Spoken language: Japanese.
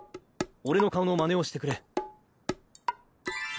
俺の顔のまねをしてくれ。